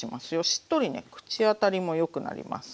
しっとりね口当たりもよくなります。